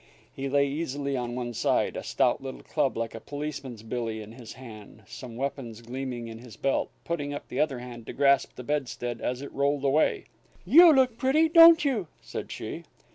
He lay easily on one side, a stout little club like a policeman's billy in his hand, some weapons gleaming in his belt, putting up the other hand to grasp the bedstead as it rolled away. "You look pretty, don't you?" said she.